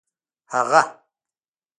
هغه